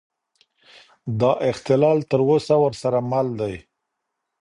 دا اختلال تر اوسه ورسره مل دی.